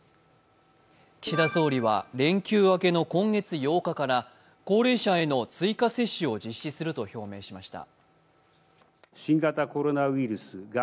岸田総理は連休明けの今月８日から高齢者への追加接種を実施すると表明しました。